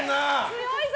強いぞ！